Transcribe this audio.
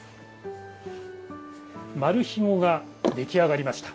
丸ひごが出来上がりました。